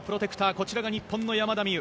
こちらが日本の山田美諭。